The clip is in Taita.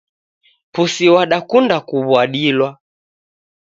Pusi wadakunda kuw'uadilwa